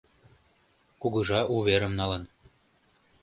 Кугыжа уверым налын